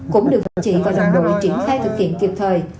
cũng được chị và đồng đội triển khai thực hiện kịp thời